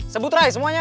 sebut ray semuanya